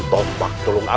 tombak tulung aku